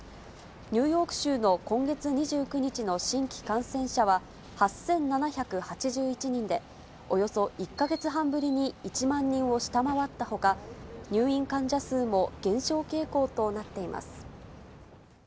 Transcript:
ニューヨーク州の今月２９日の新規感染者は８７８１人で、およそ１か月半ぶりに１万人を下回ったほか、入院患者数も減少傾向となっています。